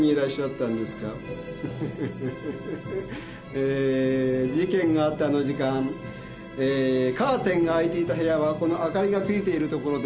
えー事件があったあの時間えーカーテンが開いていた部屋はこの明かりがついているところです。